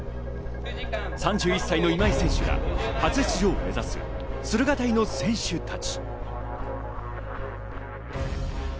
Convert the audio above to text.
３１歳の今井選手が初出場を目指す駿河台の選手たち。